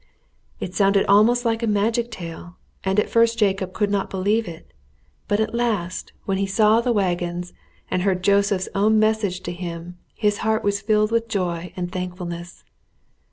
It sounded almost like a magic tale, and at first Jacob could not believe it; but at last, when he saw the wagons and heard Joseph's own message to him, his heart was filled with joy and thankfulness.